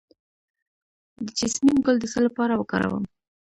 د جیسمین ګل د څه لپاره وکاروم؟